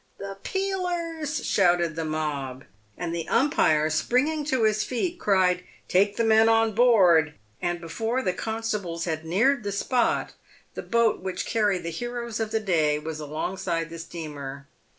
" The peelers I" shout the mob ; and the umpire, springing to his feet, cried, " Take the men on board ;" and before the constables had neared the spot, the boat which carried the heroes of the day was alongside the steamer.